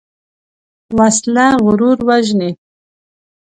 وسله غرور وژني